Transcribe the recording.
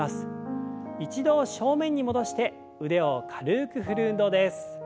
一度正面に戻して腕を軽く振る運動です。